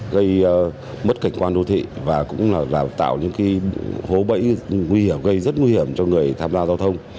gây mất cảnh quan đô thị và tạo những hố bẫy gây rất nguy hiểm cho người tham gia giao thông